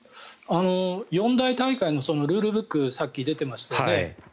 四大大会のルールブックがさっき出ていましたよね。